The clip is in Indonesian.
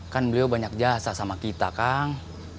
kan beliau banyak jasa sama kita kang